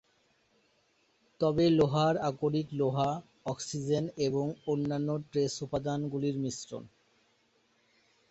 তবে লোহার আকরিক লোহা, অক্সিজেন এবং অন্যান্য ট্রেস উপাদানগুলির মিশ্রণ।